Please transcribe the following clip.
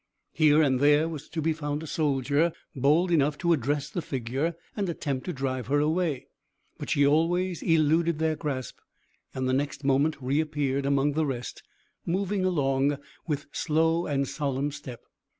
Here and there was to be found a soldier bold enough to address the figure, and attempt to drive her away; but she always eluded their grasp, and the next moment reappeared among the rest, moving along with slow and solemn step.